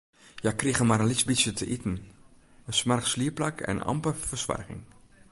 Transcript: Hja krigen mar in lyts bytsje te iten, in smoarch sliepplak en amper fersoarging.